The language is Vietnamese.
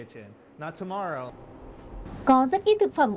có rất ít thực phẩm